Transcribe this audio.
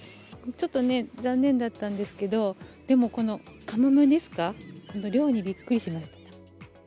ちょっとね、残念だったんですけど、でもこのカモメですか、量にびっくりしました。